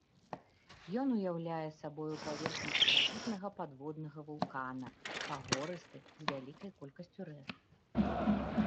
Ён уяўляе сабою паверхню старажытнага падводнага вулкана, пагорысты, з вялікай колькасцю рэк.